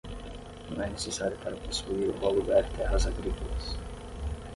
Não é necessário para possuir ou alugar terras agrícolas